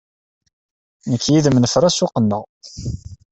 Nekk yid-m nefra ssuq-nneɣ.